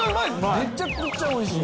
めちゃくちゃおいしい。